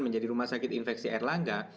menjadi rumah sakit infeksi air langga